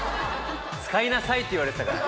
「使いなさい！」って言われてたから。